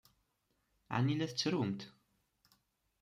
Ɛni la tettrumt?